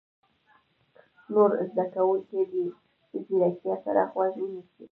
نور زده کوونکي دې په ځیرتیا سره غوږ ونیسي.